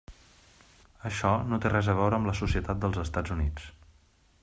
Això no té res a veure amb la societat dels Estats Units.